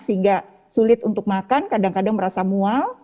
sehingga sulit untuk makan kadang kadang merasa mual